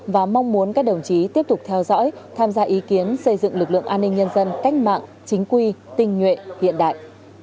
và mong muốn các đồng chí tiếp tục theo dõi tham gia ý kiến xây dựng lực lượng an ninh nhân dân cách mạng chính quy tinh nhuệ hiện đại